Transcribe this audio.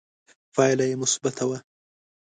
پایله یې مثبته وه